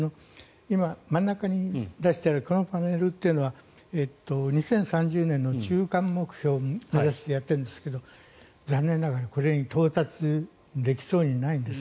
今、真ん中に出してあるこのパネルというのは２０３０年の中間目標を目指してやっているんですが残念ながらこれに到達できそうにないんです。